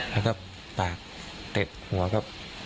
แล้วก็ปากติดหัวกับ